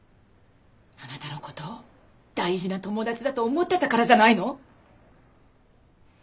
あなたの事を大事な友達だと思ってたからじゃないの？